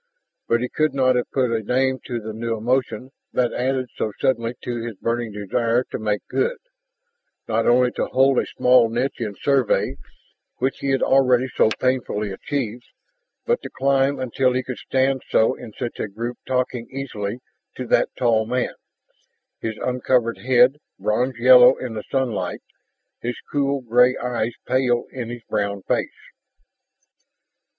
And he could not have put a name to the new emotion that added so suddenly to his burning desire to make good, not only to hold the small niche in Survey which he had already so painfully achieved, but to climb, until he could stand so in such a group talking easily to that tall man, his uncovered head bronze yellow in the sunlight, his cool gray eyes pale in his brown face.